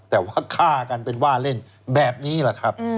แต่ว่าฆ่ากันเป็นว่าเล่นแบบนี้แหละครับ